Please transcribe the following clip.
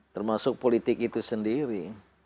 termasuk politik itu sendiri